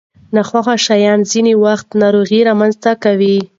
ناخوښه شیان ځینې وختونه ناروغۍ رامنځته کوي.